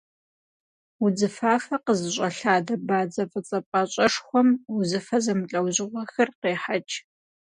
Удзыфафэ къызыщӏэлъадэ бадзэ фӏыцӏэ пӏащӏэшхуэм узыфэ зэмылӏэужьыгъуэхэр кърехьэкӏ.